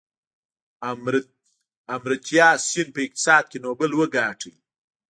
امرتیا سین په اقتصاد کې نوبل وګاټه.